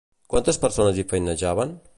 Quantes persones hi feinejaven?